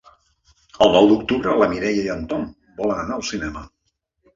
El nou d'octubre na Mireia i en Tom volen anar al cinema.